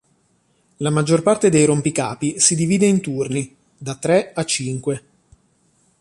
La maggior parte dei rompicapi si divide in turni, da tre a cinque.